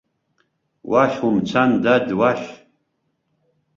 Уахь умцан, дад, уахь.